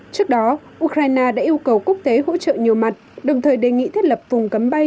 trước đó ukraine đã yêu cầu quốc tế hỗ trợ nhiều mặt đồng thời đề nghị thiết lập vùng cấm bay